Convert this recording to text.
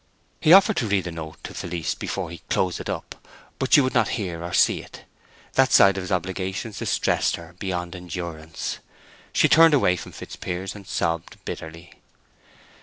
He offered to read the note to Felice before he closed it up, but she would not hear or see it; that side of his obligations distressed her beyond endurance. She turned away from Fitzpiers, and sobbed bitterly.